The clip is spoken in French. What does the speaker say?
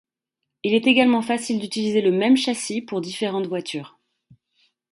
Il est également facile d'utiliser le même châssis pour différentes voitures.